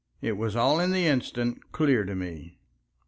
It was all in the instant clear to me.